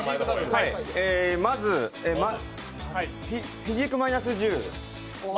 フィジークマイナス１０。